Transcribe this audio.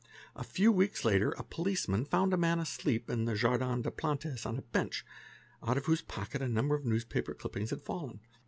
A few weeks later a policeman found a man asleep in the Jardin des Plantes on a bench, out of whose pocket a number ~ of newspaper cuttings had fallen.